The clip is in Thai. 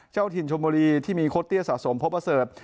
เจ้าถิ่นชมบุรีที่มีโค้ดเตี้ยสะสมพบประเสริฐ